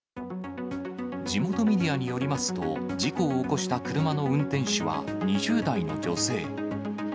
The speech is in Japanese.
地元メディアによりますと、事故を起こした車の運転手は２０代の女性。